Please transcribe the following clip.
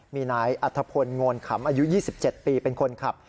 มีนายอัธพลโงนขำอายุ๒๗ปีเป็นคนขับ